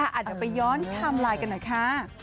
อาจจะไปย้อนทำลายกันนะค่ะ